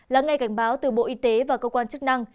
là ngay cảnh báo từ bộ y tế và cơ quan chức năng